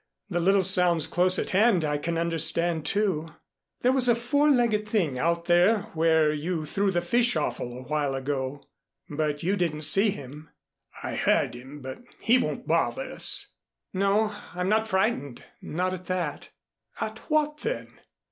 The little sounds close at hand, I can understand, too. There was a four legged thing out there where you threw the fish offal a while ago. But you didn't see him " "I heard him but he won't bother us." "No. I'm not frightened not at that." "At what, then?"